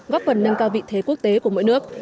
góp phần nâng cao vị thế quốc tế của mỗi nước